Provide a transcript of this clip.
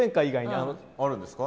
あるんですか？